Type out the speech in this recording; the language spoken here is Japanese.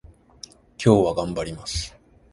今日は頑張ります